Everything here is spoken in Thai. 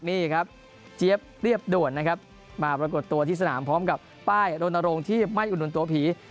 นี่ครับเจี๊ยบเรียบด่วนนะครับมาปรากฏตัวที่สนามพร้อมกับป้ายรณรงค์ที่ไม่อุดหนุนตัวผี